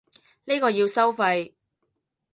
呢個要收費